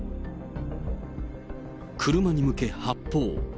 車に向け、発砲。